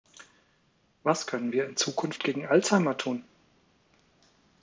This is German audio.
Was können wir in Zukunft gegen Alzheimer tun?